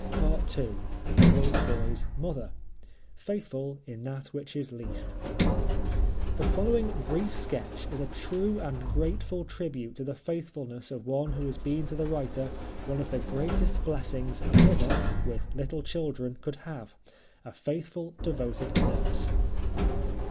*Part II. THE "WOLF BOY'S" MOTHER.* "Faithful in that which is least." The following brief sketch is a true and grateful tribute to the faithfulness of one who has been to the writer one of the greatest blessings a mother, with little children, could have—a faithful, devoted nurse.